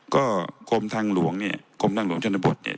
ก็กรมทางหลวงเนี่ยกรมทางหลวงชนบทเนี่ย